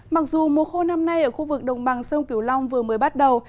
mặc dù mùa khô năm nay ở khu vực đồng bằng sông kiều long vừa mới bắt đầu